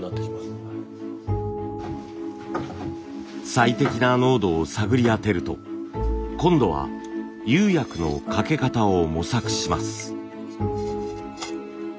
最適な濃度を探り当てると今度は釉薬のかけ方を模索します。